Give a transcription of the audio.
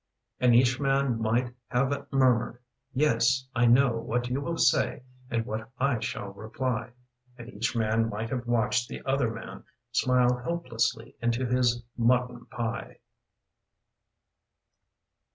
And each man might have murmured, " Yes, I know What you will say and what I shall reply/' And each man might have watched the other man Smile helplessly into his mutton pie.